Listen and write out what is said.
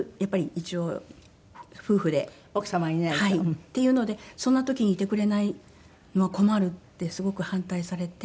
っていうのでそんな時にいてくれないのは困るってすごく反対されて。